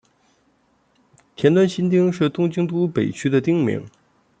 田端新町是东京都北区的町名。